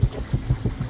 ini kena disini